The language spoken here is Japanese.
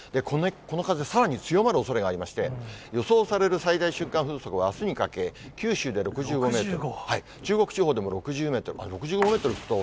この風、さらに強まるおそれがありまして、予想される最大瞬間風速はあすにかけ、九州で６５メートル、中国地方でも６０メートル、６５メートル吹くと、